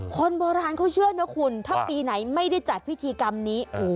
คนโบราณเขาเชื่อนะคุณถ้าปีไหนไม่ได้จัดพิธีกรรมนี้